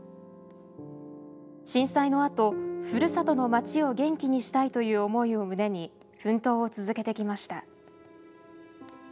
震災のあと「ふるさとの町を元気にしたい」という思いを胸に奮闘を続けてきました。